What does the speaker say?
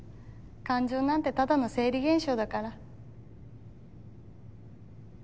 感情なんてただの生理現象だから。